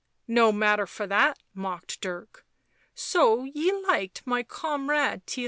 " No matter for that," mocked Dirk. " So ye liked my comrade Theirry?"